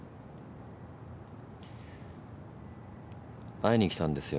会いにきたんですよ